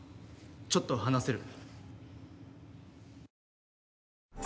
ちょっと話せる？